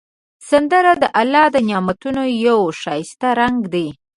سندره د الله د نعمتونو یو ښایسته رنگ دی